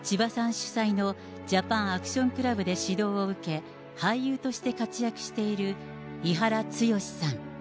主宰のジャパンアクションクラブで指導を受け、俳優として活躍している、伊原剛志さん。